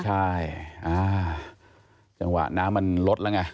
ใช่จังหวะน้ำมันลดแล้วไง